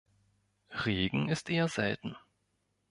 Regen ist eher selten.